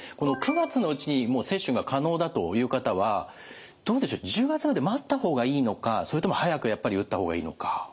９月のうちに接種が可能だという方はどうでしょう１０月まで待った方がいいのかそれとも早くやっぱり打った方がいいのか？